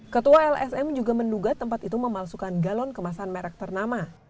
ketua lsm juga menduga tempat itu memalsukan galon kemasan merek ternama